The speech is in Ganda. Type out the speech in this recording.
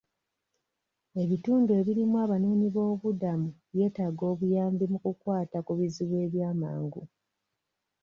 Ebitundu ebirimu abanoonyi b'obubuddamu byetaaga obuyambi mu kukwata ku bizibu ebyamangu.